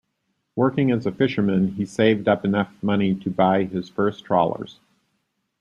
Working as a fisherman, he saved up enough money to buy his first trawlers.